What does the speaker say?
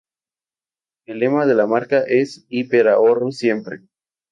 El lema de la marca es “Hiper Ahorro Siempre".